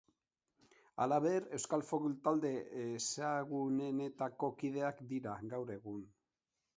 Halaber, euskal folk talde ezagunenetako kideak dira, gaur egun.